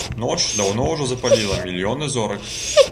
Ноч даўно ўжо запаліла мільёны зорак.